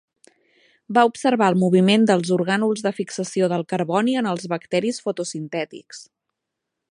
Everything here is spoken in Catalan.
Va observar el moviment dels orgànuls de fixació del carboni en els bacteris fotosintètics.